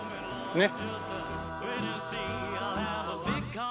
ねっ？